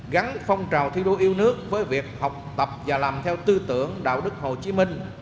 gắn phong trào thi đua yêu nước với việc học tập và làm theo tư tưởng đạo đức hồ chí minh